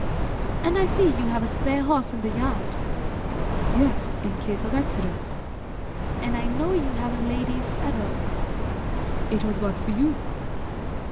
"And I see you have a spare horse in the yard." "Yes, in case of accidents." "And I know you have a lady's saddle." "It was got for you."